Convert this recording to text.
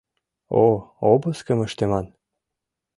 О...обыскым ыштыман.